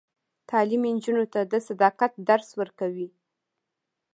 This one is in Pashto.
تعلیم نجونو ته د صداقت درس ورکوي.